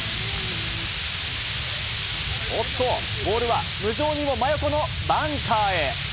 おっと、ボールは、無情にも真横のバンカーへ。